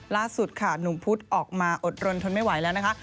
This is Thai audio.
ล่าสุดค่ะหนุ่มพุธออกมาอดรนทนไม่ไหวแล้วนะคะ